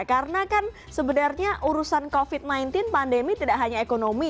karena kan sebenarnya urusan covid sembilan belas pandemi tidak hanya ekonomi